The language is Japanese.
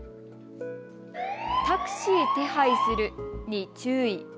タクシー手配するに注意。